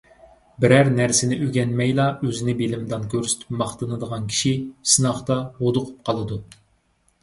بىرەر نەرسىنى ئۆگەنمەيلا ئۆزىنى بىلىمدان كۆرسىتىپ ماختىنىدىغان كىشى سىناقتا ھودۇقۇپ قالىدۇ!